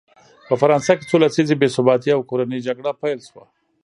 په فرانسه کې څو لسیزې بې ثباتي او کورنۍ جګړه پیل شوه.